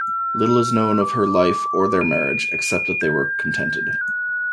Little is known of her life or their marriage, except that they were contented.